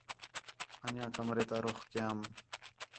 اَن٘ڄیاں کمرے تا رُخ کیام